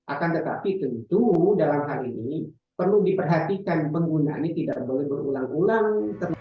akan tetapi tentu dalam hal ini perlu diperhatikan pengguna ini tidak boleh berulang ulang